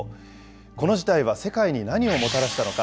この事態は世界に何をもたらしたのか。